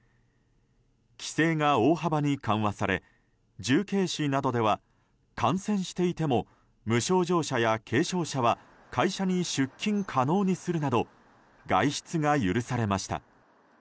規制が大幅に緩和され重慶市などでは感染していても無症状者や軽症者は会社に出勤可能にするなど外出が許されました。